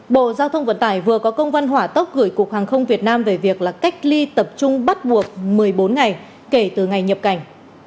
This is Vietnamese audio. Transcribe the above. bộ giao thông vận tải vừa có công văn hỏa tốc gửi cục hàng không việt nam về việc cách ly tập trung bắt buộc một mươi bốn ngày kể từ ngày nhập cảnh